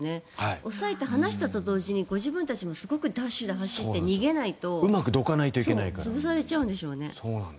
押さえて離したと同時に自分たちもすごくダッシュで走って逃げないと潰されちゃうんでしょうね。